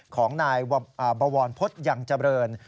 ของนายบวรพฤษยังเจริญ